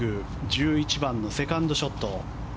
１１番のセカンドショット。